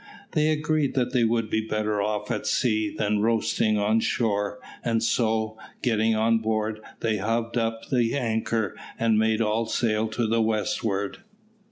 They agreed that they would be better off at sea than roasting on shore, and so, getting on board, they hove up the anchor and made all sail to the westward.